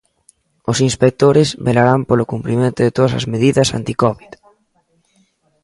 Os inspectores velarán polo cumprimento de todas as medidas anticovid.